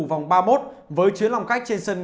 vòng ba một với chứa lòng cách trên sân